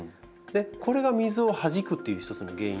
これが水をはじくっていう一つの原因。